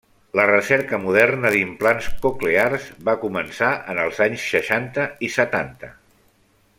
La recerca moderna d'implants coclears va començar en els anys seixanta i setanta.